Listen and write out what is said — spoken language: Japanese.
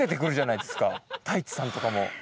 太一さんとかも。